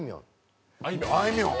あいみょん。